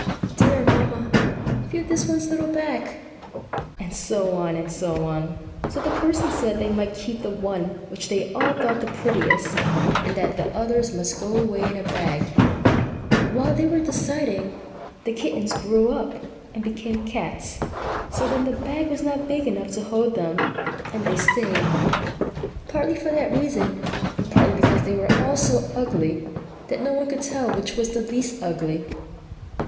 "Dear Mamma!" "Feel this one's little back!" and so on, and so on. So the Person said that they might keep the one which they all thought the prettiest, and that the others must go away in a bag; but while they were deciding, the kittens grew up and became cats. So then the bag was not big enough to hold them, and they stayed, partly for that reason, and partly because they were all so ugly that no one could tell which was the least ugly.